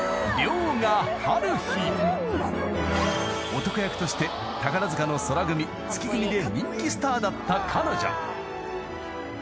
［男役として宝塚の宙組月組で人気スターだった彼女］